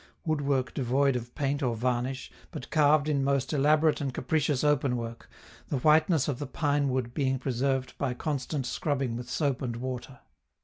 Woodwork devoid of paint or varnish, but carved in most elaborate and capricious openwork, the whiteness of the pinewood being preserved by constant scrubbing with soap and water.